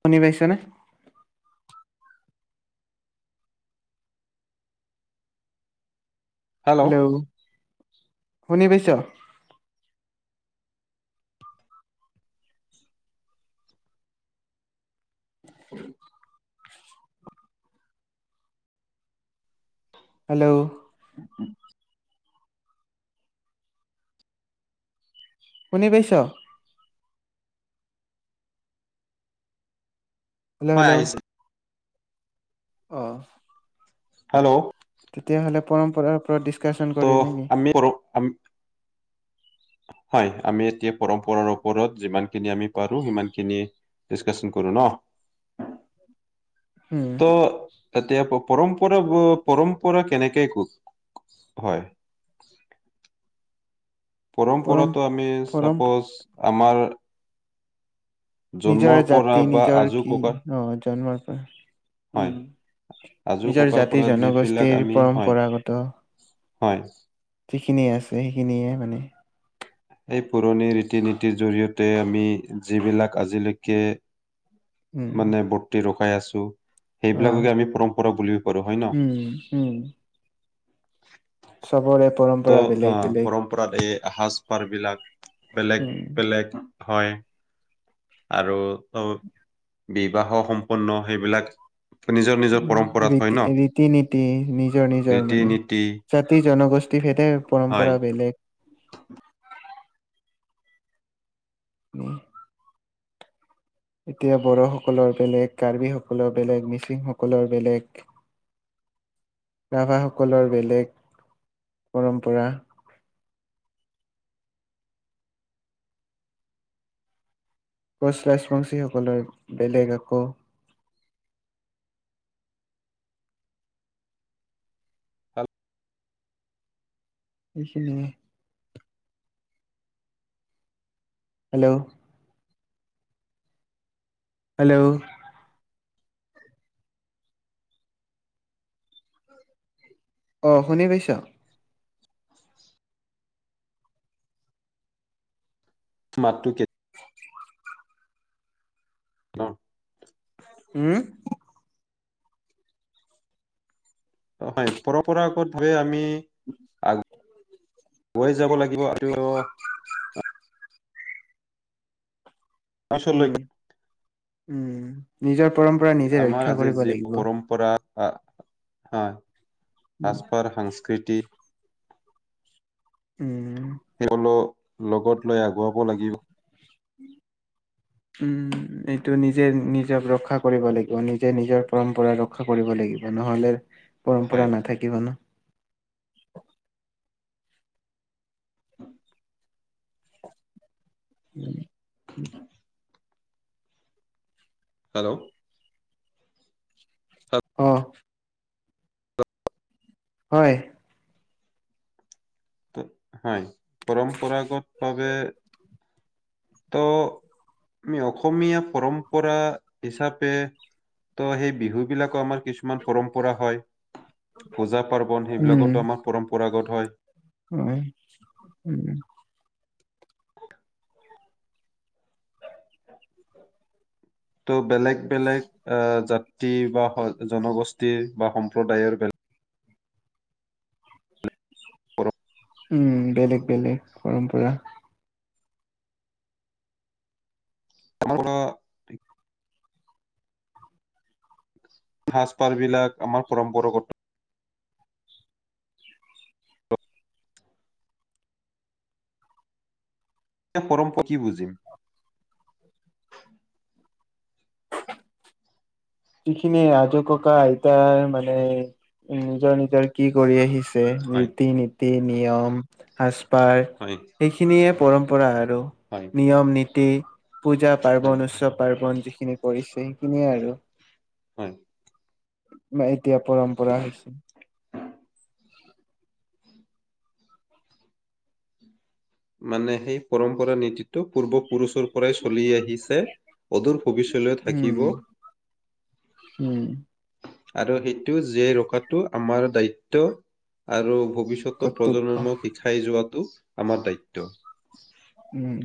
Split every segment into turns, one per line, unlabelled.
শুনি পাইছনে? হেল্ল' শুনি পাইছ? [unintelligible] হেল্ল'। শুনি পাইছ? হেল্ল',
হয়
হেল্ল'।
আহিছে।
অ।
হেল্ল'।
তেতিয়াহ'লে পৰম্পৰাৰ ওপৰত ডিচকা
ত আমি কৰোঁ আমি। হয়, আমি এতিয়া পৰম্পৰাৰ ওপৰত যিমানখিনি আমি পাৰোঁ, সিমানখিনি। ডিচকাচন কৰোঁ ন।
উম।
ত এতিয়া পৰম্পৰা পৰম্পৰা কেনেকে ক হয়।
পৰম
পৰম্পৰাটো, আমি
পৰম
চাপ'জ আমাৰ।
নিজৰ
জন্মৰ পৰা
জাতি
বা
নিজৰ
আজো
কি
ককাৰ
অ' জন্মৰ পৰা।
হয়,
উম নিজৰ জাতি
আযুককাৰপৰা যিবিলাক
জনগোষ্ঠীৰ
আমি হয়।
পৰম্পৰাগত
হয়।
যিখিনিয়ে আছে, সেইখিনিয়ে মানে।
এই পুৰণি ৰীতি নীতিৰ জৰিয়তে আমি যিবিলাক আজিলৈকে।
উম
মানে বৰ্তি ৰখাই আছোঁ।
অ
সেইবিলাককে আমি পৰম্পৰা বুলিব পাৰোঁ হয় ন।
উম, উম। চবৰে পৰম্পৰা বেলেগ বেলেগ।
ওপৰত এই এসাজ পাৰ বিলাক বেলেগ
উম
বেলেগ হয়। আৰু টো বিবাহ সম্পন্ন সেইবিলাক। নিজৰ নিজৰ
উম,
পৰম্পৰাত হয়
ৰীতি
ন
ৰীতি-নীতি নিজৰ নিজৰ
ৰীতি
মানে।
নীতি
জাতি জনগোষ্ঠীৰ ভেদে
হয়
পৰম্পৰা বেলেগ।
[inaudible]
উম। এতিয়া, বড়োসকলৰ বেলেগ, কাৰ্বি সকলৰ বেলেগ, মিচিং সকলৰ বেলেগ। ৰাভা সকলৰ বেলেগ পৰম্পৰা। কোচ ৰাজবংশী সকলৰ বেলেগ আকৌ। এইখিনিয়েই। হেল্ল'। হেল্ল' অ শুনি পাইছ।
স মাতটো কে। ন।
উম।
হয় পৰম্পৰাগত ভাৱে আমি। আগুৱাই যাব লাগিব আৰু। পিছলৈকে
উম উম নিজৰ পৰম্পৰা নিজে ৰক্ষা কৰিব লাগিব।
পৰা হয়
উম
সাজপাৰ সাংস্কৃতি।
উম।
লগতলৈ আগুৱাব লাগিব।
উম, উম, এইটো নিজে নিজক ৰক্ষা কৰিব লাগিব নিজে নিজৰ পৰম্পৰা ৰ ৰক্ষা কৰিব লাগিব নহলে
হয়
পৰম্পৰা নাথাকিব ন'।
[unintelligible]
উম,
হেল্ল',
অ', হয়।
ত' হয় পৰম্পৰাগত ভাবে তো আমি অসমীয়া পৰম্পৰা হিচাপে ত' সেই বিহু বিলাকো আমাৰ কিছু [unintelligible] পৰম্পৰা হয় পূজা পাৰ্বন সেইবিলাকতো আমাৰ পৰম্পৰাগত হয়।
অ, উম।
ত' বেলেগ-বেলেগ অ, জাতি বা জনগোষ্ঠীৰ বা সম্প্ৰদায়ৰ বেলেগ
উম, বেলেগ-বেলেগ পৰম্পৰা
[unintelligible] সাজ-পাৰ বিলাক আমাৰ পৰম্পৰাগত। এ পৰম্প কি বুজিম?
যিখিনি আযো ককা আইতাৰ মানে উম, নিজৰ-নিজৰ কি কৰি আহিছে তে
হয়
ৰীতি-নীতি, নিয়ম, সাজপাৰ
হয়
এই খিনিয়ে পৰম্পৰা আৰু।
হয়।
নিয়ম-নীতি,
হয়
পূজা-পাৰ্বন, উৎসৱ-পাৰ্বন, যিখিনি কৰিছে সেইখিনিয়ে আৰু।
হয়।
বা এতিয়া পৰম্পৰা হৈছে।
মানে সেই পৰম্পৰা নীতিটো পূৰ্বপুৰুচৰ পৰাই চলি আহিছে অদূৰ ভৱিষ্যলৈ থাকিব।
উম উম,
আৰু সেইটো জীয়াই ৰখাটো আমাৰ দায়িত ত্ব আৰু ভৱিষ্যতক
কৰ্তব্য
প্ৰজনক শিকাই যোৱাটো আমাৰ দায়িত্ব।
উম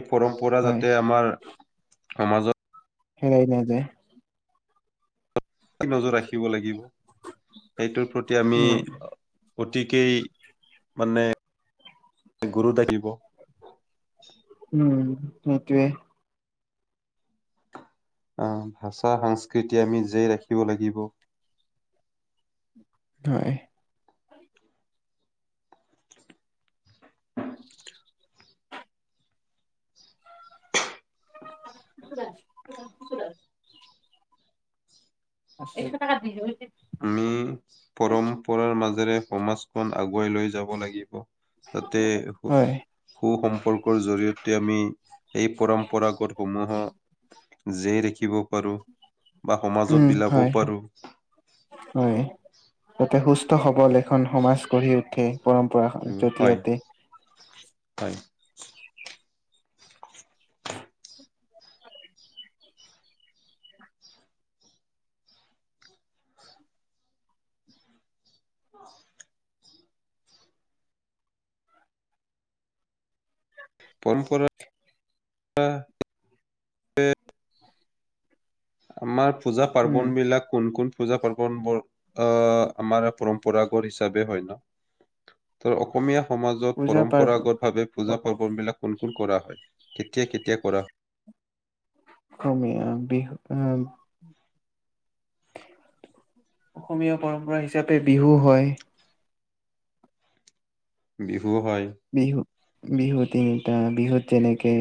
এই পৰম্পৰা
হয়
যাতে আমাৰ সমাজত
হেৰাই নাযায়।
এ নজৰ ৰাখিব লাগিব সেইটোৰ প্ৰতি আমি
উম
অতিকেই মানে [inaudible] গুৰু [unintelligible]
উম, সেইটোৱে।
আহ, ভাষা সাংস্কৃতি আমি জীয়াই ৰাখিব লাগিব।
হয়। [unintelligible] [unintelligible]
আমি পৰম্পৰাৰ মাজেৰে সমাজখন আগুৱাই লৈ যাব লাগিব। তাতে উ
হয়
সু-সম্পৰ্কৰ জৰিয়তে আমি এই পৰম্পৰাগত সমূহ জীয়াই ৰাখিব পাৰো বা
উম
সমাজত বিলাবও
হয়
পাৰো।
হয় যাতে সুস্থ, সৱল এখন সমাজ গঢ়ি উঠে। পৰম্পৰা।
হয়,
জৰিয়তে।
হয়। পৰম্পৰা আমাৰ পূজা
উম,
পাৰ্বন বিলাক কোন, কোন পূজা পাৰ্বন বোৰ অ', আমাৰ পৰম্পৰাগত হিচাপে হয়, ন'। ত' অসমীয়া সমাজত
পূজা পাৰ
পৰম্পৰাগত ভাৱে পূজা পাৰ্বন বিলাক কোন কুল কৰা হয়, কেতিয়া কেতিয়া কৰা হয়।
অসমীয়া বিহু উ অসমীয়া পৰম্পৰা হিচাপে বিহু হয়।
বিহু হয়।
বিহু, বিহু তিনিটা বিহুত যেনেকে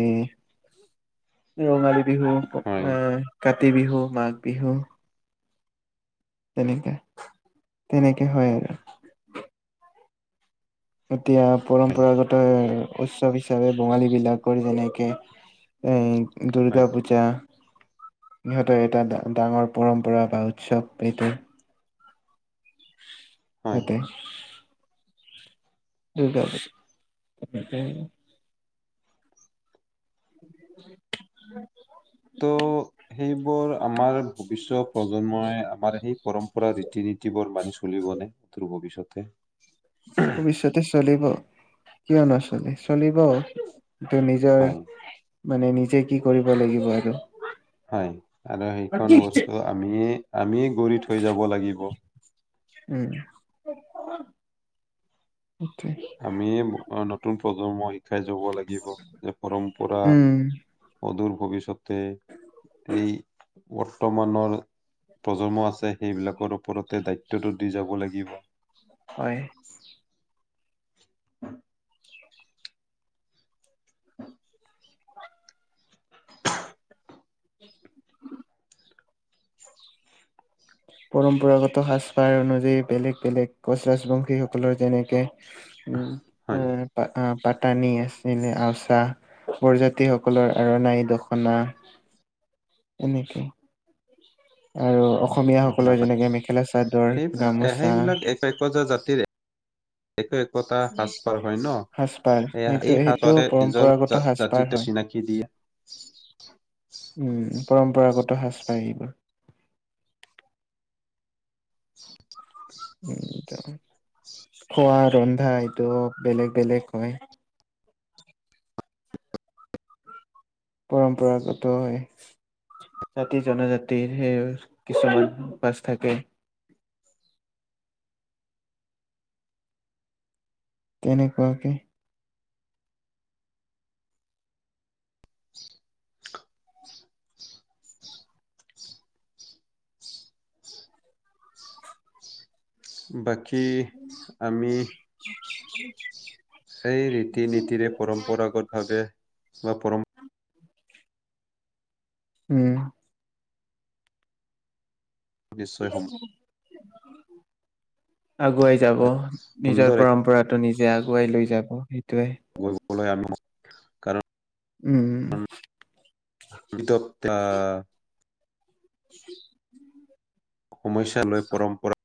ৰঙালী বিহু
হয়
আহ, কাতি বিহু, মাঘ বিহু। তেনেকাে তেনেকে হয়, আৰু। এতিয়া
হয়
পৰম্পৰাগত উৎসৱ হিচাপে বঙালী বিলাকৰ যেনেকে এই
হয়
দুৰ্গা পূজা। ইহঁতৰ এটা ডাঙৰ পৰম্পৰা বা উৎসৱ এইটো। [unintelligible]
হয়
সেইটো দুৰ্গা পূজা [unintelligible] [inaudible]
ত' সেইবোৰ আমাৰ ভৱিষ্যয়ত প্ৰজন্মই আমাৰ সেই পৰম্পৰা ৰীতি নীতি বোৰ মানি চলিবনে। দুৰ ভৱিষ্যতে।
ভৱিষ্যতে চলিব কিয় নচলে চলিব। এইটো নিজৰ
হয়
মানে নিজে কি কৰিব লাগিব আৰু।
হয়, আৰু সেইখন বস্তু আমিয়ে, আমিয়ে গঢ়ি থৈ যাব লাগিব।
উম। সেইটোৱে।
আমিয়ে নতুন প্ৰজন্মক শিকাই যাব লাগিব যে পৰম্পৰা
উম
অদূৰ ভৱিষ্যতে এই বৰ্তমানৰ প্ৰজন্ম আছে সেইবিলাকৰ ওপৰতে দায়িত্বটো দি যাব লাগিব।
হয়।
[inaudible]
[inaudible] পৰম্পৰাগত সাজপাৰ অনুযায়ী বেলেগ বেলেগ কোঁচ ৰাজাজবংশীসকলৰ যেনেকৈ উম।
হয়।
পাটানী আছিলে আওচা। প্ৰজাতি সকলৰ আৰ্ণাই দখনা এনেকে আৰু অসমীয়াসকলৰ
সেইবিলাক
যেনেকে মেখেলা চাদৰ গামোচা।
একজ জাতিৰে এক, এক কটা সাজ পাৰ হয়
সাজপাৰ
ন এই
সেইটো
এই
সেইটো
সাজটোৱে নিজৰ
পৰম্পৰাগত সাজপাৰ
জাতিটো
হয়
চিনাকি দিয়ে।
উম, পৰম্পৰাগত সাজ পাৰ এইবোৰ।
[unintelligible]
উ, খোৱা ৰন্ধা এইটোও বেলেগ, বেলেগ হয়। পৰম্পৰাগত হয়। জাতি জনজাতিৰ সেই কিছুমান বাছ থাকে। তেনেকুৱাকে
বাকী আমি
[unintelligible]
সেই ৰীতি নীতিৰে পৰম্পৰাগত ভাৱে বা পৰম্
উম
নিশ্চয়
আগুৱাই যাব নিজৰ
সুন্দৰ
পৰম্পৰাত টো নিজে আগুৱাই লৈ যাব সেইটোৱে
গৈ সকলোৱে আমি কাৰণ
উম
বিতপ্ আ
[unintelligible]
সমস্যা লৈ পৰম্পৰা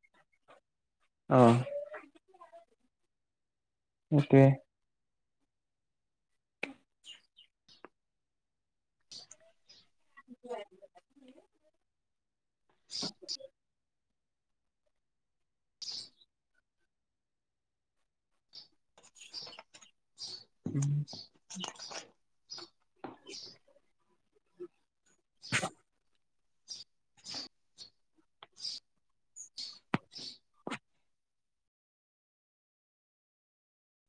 অ একে
[unintelligible]
[unintelligible]
[unintelligible]
উম [unintelligible]